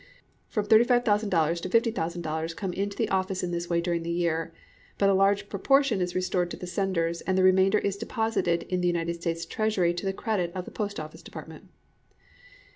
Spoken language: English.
From $35,000 to $50,000 come into the office in this way during the year; but a large proportion is restored to the senders, and the remainder is deposited in the United States Treasury to the credit of the Post office Department.